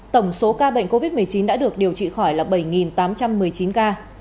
tổng số ca bệnh covid một mươi chín đã được điều trị khỏi là bảy tám trăm một mươi chín ca